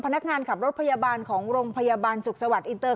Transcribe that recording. พนักงานขับรถพยาบาลของโรงพยาบาลสุขสวัสดิอินเตอร์